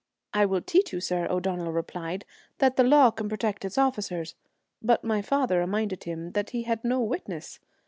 •■ I will teach you, sir," O'Donnell replied, " that the law can protect its officers ;" but my father reminded him that he had no witness.